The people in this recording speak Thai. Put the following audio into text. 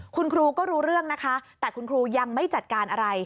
คุณครูก็รู้เรื่องนะคะแต่คุณครูยังไม่จัดการอะไร